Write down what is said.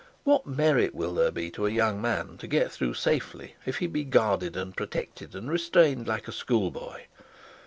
What merit will there be to a young man to get through safely, if he guarded and protected and restrained like a school boy?